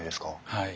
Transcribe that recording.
はい。